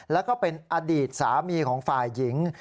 แล้วก็เป็นอดีตสามีของฝ่ายหญิง